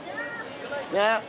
ねっ。